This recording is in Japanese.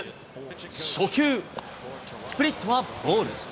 初球、スプリットはボール。